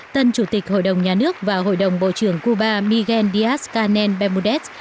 tân chủ tịch hội đồng nhà nước và hội đồng bộ trưởng cuba miguel díaz canel bemudez